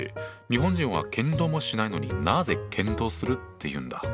日本人は検討もしないのになぜ「検討する」って言うんだ？